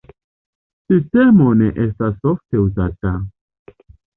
Sistemo ne estas ofte uzata.